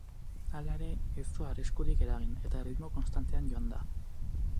Halere, ez du arriskurik eragin, eta erritmo konstantean joan da.